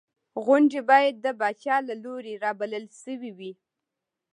غونډې باید د پاچا له لوري رابلل شوې وې.